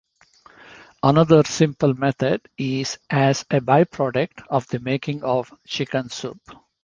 Another simple method is as a by-product of the making of chicken soup.